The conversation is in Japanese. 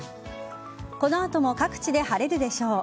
この後も各地で晴れるでしょう。